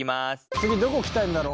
次どこ鍛えるんだろう。